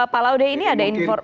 pak laude ini ada informasi